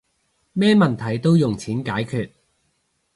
咩問題都用錢解決